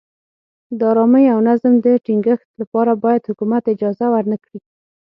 د ارامۍ او نظم د ټینګښت لپاره باید حکومت اجازه ورنه کړي.